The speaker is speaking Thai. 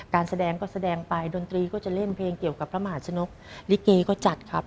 การแสดงก็แสดงไปดนตรีก็จะเล่นเพลงเกี่ยวกับพระมหาชนกลิเกก็จัดครับ